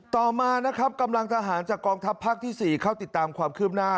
ต่อมานะครับกำลังทหารจากกองทัพภาคที่๔เข้าติดตามความคืบหน้า